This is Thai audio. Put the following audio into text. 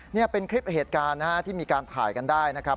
นี่เป็นคลิปเหตุการณ์นะฮะที่มีการถ่ายกันได้นะครับ